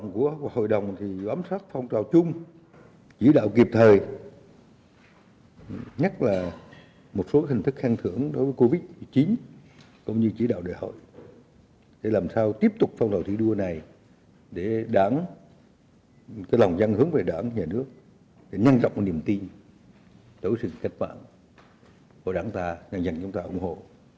cái lòng dân hướng về đảng nhà nước nhân dọng niềm tin đối xử với các bạn của đảng ta dành cho chúng ta ủng hộ